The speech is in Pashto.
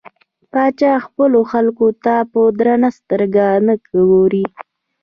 پاچا خپلو خلکو ته په درنه سترګه نه ګوري .